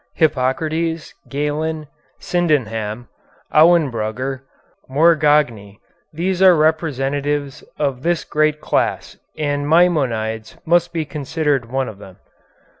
Hippocrates, Galen, Sydenham, Auenbrugger, Morgagni, these are representatives of this great class, and Maimonides must be considered one of them.